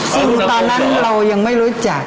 ซึ่งตอนนั้นเรายังไม่รู้จัก